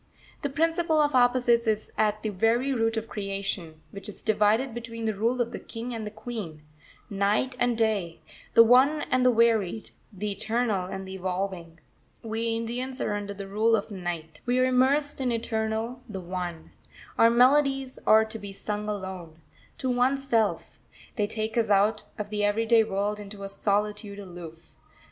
This principle of opposites is at the very root of creation, which is divided between the rule of the King and the Queen; Night and Day; the One and the Varied; the Eternal and the Evolving. We Indians are under the rule of Night. We are immersed in the Eternal, the One. Our melodies are to be sung alone, to oneself; they take us out of the everyday world into a solitude aloof.